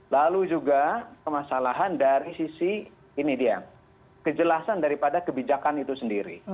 lalu juga permasalahan dari sisi ini dia kejelasan daripada kebijakan itu sendiri